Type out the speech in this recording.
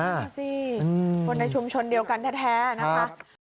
ดูสิคนในชุมชนเดียวกันแท้นะคะ